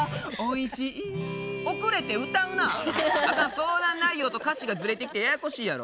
相談内容と歌詞がずれてきてややこしいやろ。